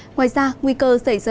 ngoài ra nguy cơ xảy ra